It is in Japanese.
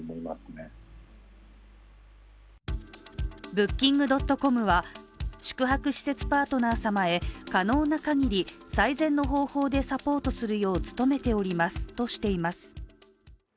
Ｂｏｏｋｉｎｇ．ｃｏｍは、宿泊施設パートナー様へ、可能な限り最善の方法でサポートするよう努めておりますとしています。